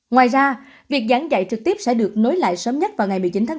ngoài ra việc giảng dạy trực tiếp sẽ được nối lại sớm nhất vào ngày một mươi chín tháng bốn